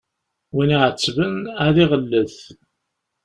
Win iɛettben ad iɣellet.